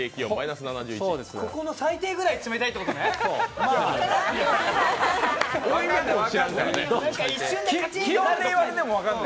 ここの最低ぐらい冷たいってことね、分かんない！